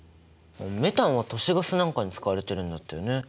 メタンは都市ガスなんかに使われているんだったよね。